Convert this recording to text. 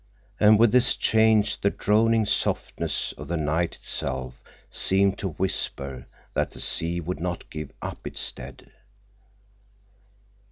And with this change the droning softness of the night itself seemed to whisper that the sea would not give up its dead.